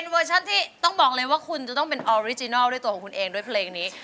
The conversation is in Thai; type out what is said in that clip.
เวอร์ชันที่ต้องบอกเลยว่าคุณจะต้องเป็นออริจินัลด้วยตัวของคุณเองด้วยเพลงนี้